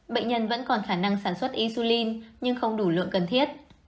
bệnh nhân vẫn còn khả năng sản xuất isulin nhưng không đủ lượng cần thiết